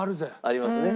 ありますね。